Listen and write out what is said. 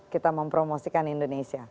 kita mempromosikan indonesia